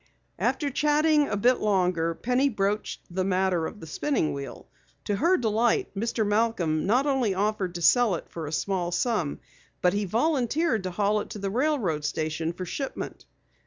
After chatting a bit longer, Penny broached the matter of the spinning wheel. To her delight, Mr. Malcom not only offered to sell it for a small sum, but he volunteered to haul it to the railroad station for shipment.